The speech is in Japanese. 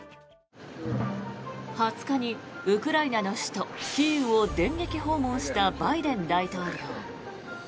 ２０日にウクライナの首都キーウを電撃訪問したバイデン大統領。